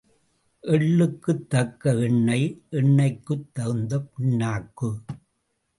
எள்ளுக்குத் தக்க எண்ணெய், எண்ணெய்க்குத் தகுந்த பிண்ணாக்கு.